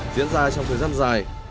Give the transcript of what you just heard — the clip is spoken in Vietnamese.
diễn ra trong thời gian dài